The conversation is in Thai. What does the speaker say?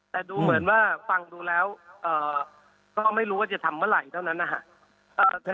แต่ดูเหมือนว่าฟังดูแล้วก็ไม่รู้ว่าจะทำเมื่อไหร่เท่านั้นนะฮะ